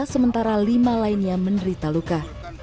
sementara lima lainnya menderita luka